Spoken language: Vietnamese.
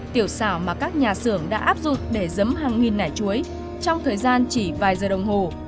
tiểu xào mà các nhà xưởng đã áp dụng để rấm hàng nghìn nải chuối trong thời gian chỉ vài giờ đồng hồ